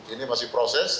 ini masih proses